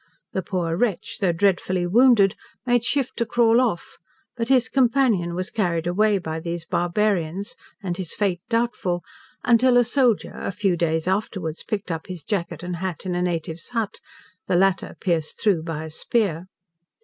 The poor wretch, though dreadfully wounded, made shift to crawl off, but his companion was carried away by these barbarians, and his fate doubtful, until a soldier, a few days afterwards, picked up his jacket and hat in a native's hut, the latter pierced through by a spear.